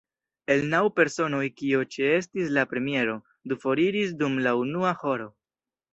El naŭ personoj kiuj ĉeestis la premieron, du foriris dum la unua horo.